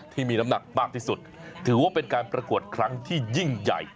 ที่มีน้ำหนักมากที่สุดถือว่าเป็นการประกวดครั้งที่ยิ่งใหญ่